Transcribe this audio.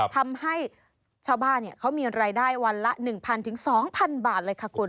ทำให้ชาวบ้านเขามีรายได้วันละ๑๐๐๒๐๐บาทเลยค่ะคุณ